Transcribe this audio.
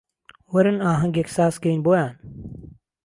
وەرن ئاهەنگێک سازکەین بۆیان